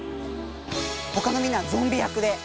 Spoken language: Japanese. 他のみんなはゾンビ役で。